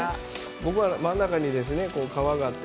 僕は真ん中に川があって。